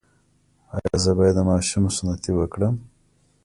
ایا زه باید د ماشوم سنتي وکړم؟